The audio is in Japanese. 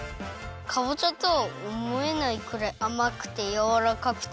かぼちゃとはおもえないくらいあまくてやわらかくて。